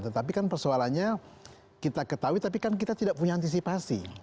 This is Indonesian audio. tetapi kan persoalannya kita ketahui tapi kan kita tidak punya antisipasi